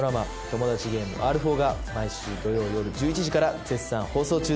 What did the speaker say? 『トモダチゲームＲ４』が毎週土曜夜１１時から絶賛放送中です。